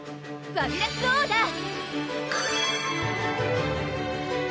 ファビュラスオーダー！